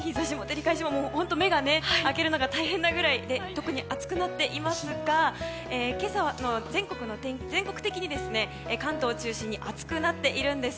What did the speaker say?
本当に目を開けるのも大変なぐらい特に暑くなっていますが今朝は全国的に関東を中心に暑くなっているんです。